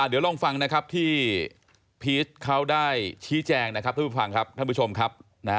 เดี๋ยวลองฟังนะครับที่พีชเข้าได้ชี้แจงนะครับท่านผู้ชมครับ